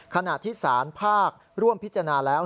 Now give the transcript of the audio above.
ขณะที่สารภาคร่วมพิจารณาแล้ว